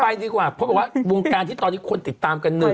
ไม่ได้ดีกว่าเพราะว่าวงการที่ตอนนี้ควรติดตามกันหนึ่ง